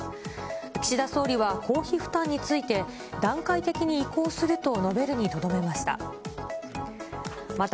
岸田総理は公費負担について、段階的に移行すると述べるにとどめました。